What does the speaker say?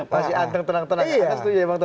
masih anteng tenang tenang